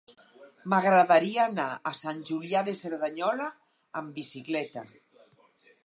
M'agradaria anar a Sant Julià de Cerdanyola amb bicicleta.